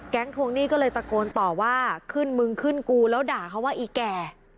ทวงหนี้ก็เลยตะโกนต่อว่าขึ้นมึงขึ้นกูแล้วด่าเขาว่าอีแก่